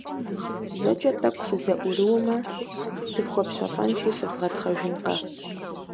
ЗэкӀэ тӀэкӀу фызэӀурыумэ, сыфхуэпщэфӀэнщи, фызгъэтхъэжынкъэ.